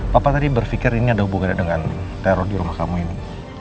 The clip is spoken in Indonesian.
papa tadi berpikir ini ada hubungannya dengan teror di rumah kamu ini